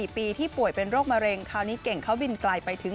๔ปีที่ป่วยเป็นโรคมะเร็งคราวนี้เก่งเขาบินไกลไปถึง